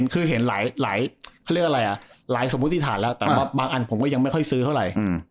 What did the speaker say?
คือเห็นหลายสมมุติฐานแล้วแต่บางอันผมไม่ค่อยซื้อเท่าไร